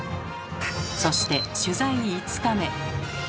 そして取材５日目。